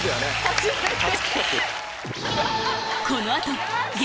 初めて！